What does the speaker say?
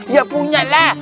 iya punya lah